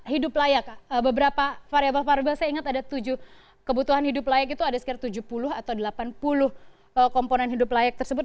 hidup layak beberapa variable variable saya ingat ada tujuh kebutuhan hidup layak itu ada sekitar tujuh puluh atau delapan puluh komponen hidup layak tersebut